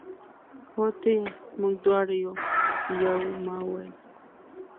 هو ته یې، موږ دواړه یو، یو. ما وویل.